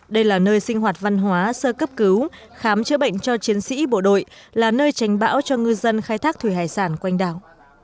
đây là nơi sinh hoạt văn hóa sơ cấp cứu khám chữa bệnh cho chiến sĩ bộ đội là nơi tránh bão cho ngư dân khai thác thủy hải sản quanh đảo